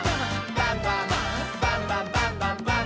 バンバン」「バンバンバンバンバンバン！」